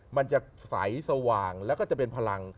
มันจะใสสว่างแล้วก็จะเป็นพลัง